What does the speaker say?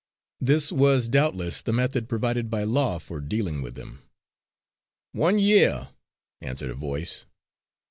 This was doubtless the method provided by law for dealing with them. "One year," answered a voice.